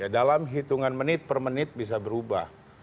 dalam hitungan menit per menit bisa berubah